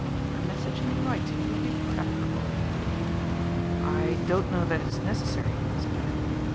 A message in writing would be preferable." "I don't know that it's necessary," said I.